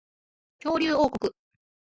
恐竜王国